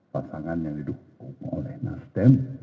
pasangan yang didukung oleh nasdem